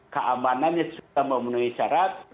keamanannya sudah memenuhi syarat